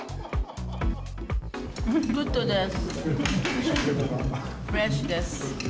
グッドです。